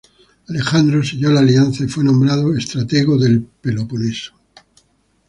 Alejandro selló la alianza y fue nombrado estratego del Peloponeso.